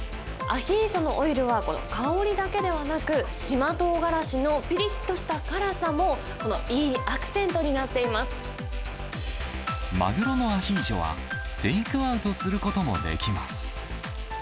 アヒージョのオイルは香りだけではなく、島トウガラシのぴりっとした辛さも、いいアクセントになっていまマグロのアヒージョは、テイクアウトすることもできます。